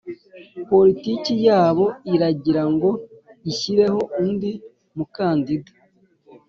politiki yabo iragira ngo ishyireho undi mukandida